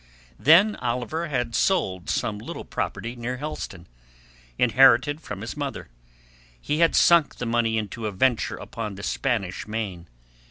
Then Oliver had sold some little property near Helston, inherited from his mother; he had sunk the money into a venture upon the Spanish Main.